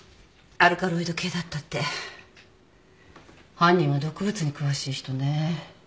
犯人は毒物に詳しい人ね。